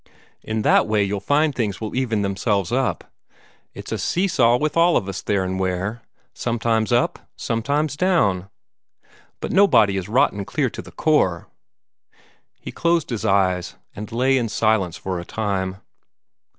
In that way you'll find things will even themselves up. It's a see saw with all of us, Theron Ware sometimes up; sometimes down. But nobody is rotten clear to the core." He closed his eyes, and lay in silence for a time.